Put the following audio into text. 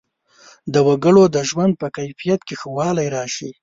د وګړو د ژوند په کیفیت کې ښه والی راشي.